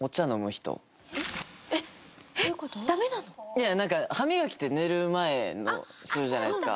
いやなんか歯磨きって寝る前にするじゃないですか。